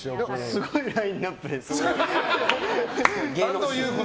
すごいラインアップですね。